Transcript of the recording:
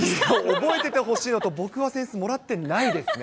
覚えててほしいのと、僕は扇子もらってないですね。